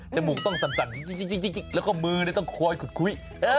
มูกต้องสั่นแล้วก็มือต้องคอยขุดคุย